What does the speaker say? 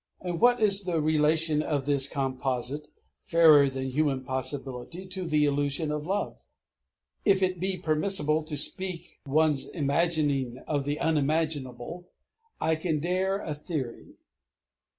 And what is the relation of this composite, fairer than human possibility, to the illusion of love? If it be permissible to speak one's imagining of the unimaginable, I can dare a theory.